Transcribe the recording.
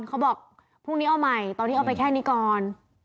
เขาบอกพรุ่งนี้เอาใหม่ตอนนี้เอาไปแค่นี้ก่อน